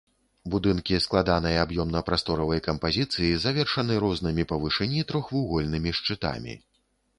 Будынкі складанай аб'ёмна-прасторавай кампазіцыі, завершаны рознымі па вышыні трохвугольнымі шчытамі.